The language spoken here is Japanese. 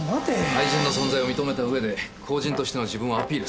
愛人の存在を認めた上で公人としての自分をアピールする。